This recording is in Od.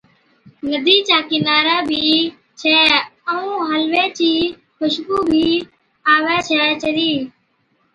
’ندِي چا ڪِنارا بِي ڇَي ائُون حلوي چِي خُوشبُو بِي آوَي ڇَي چلِي،